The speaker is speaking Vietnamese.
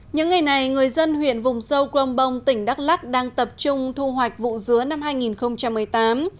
những ngày này người dân huyện vùng sâu crong bông tỉnh đắk lắc đang tập trung thu hoạch vụ dứa năm hai nghìn một mươi tám